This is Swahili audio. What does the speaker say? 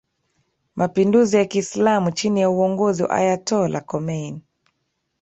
mapinduzi ya Kiislamu chini ya uongozi wa Ayatollah Khomeini